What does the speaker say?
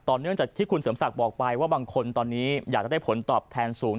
เนื่องจากที่คุณเสริมศักดิ์บอกไปว่าบางคนตอนนี้อยากจะได้ผลตอบแทนสูง